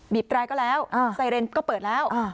แตรก็แล้วไซเรนก็เปิดแล้ว